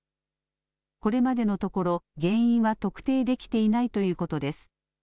これまでのところ、原因は特定できていないということです。